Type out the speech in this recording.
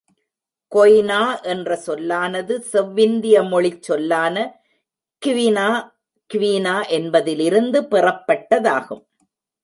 கொய்னா என்ற சொல்லானது செவ்விந்திய மொழிச் சொல்லான க்வினா க்வினா என்பதிலிருந்து பெறப்பட்டதாகும்.